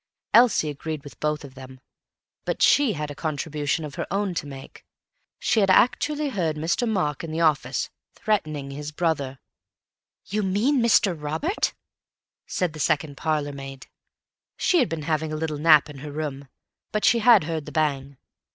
Elsie agreed with both of them, but she had a contribution of her own to make. She had actually heard Mr. Mark in the office, threatening his brother. "You mean Mr. Robert," said the second parlour maid. She had been having a little nap in her room, but she had heard the bang.